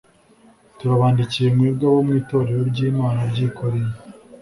Turabandikiye, mwebwe abo mu Itorero ry'Imana ry'i Korinto,